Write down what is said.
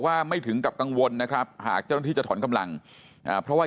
ไม่ถึงกับกังวลนะครับหากเจ้าหน้าที่จะถอนกำลังเพราะว่า